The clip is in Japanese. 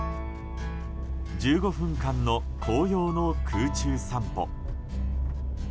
１５分間の紅葉の空中散歩。